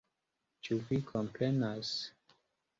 Ĉu Vi komprenas?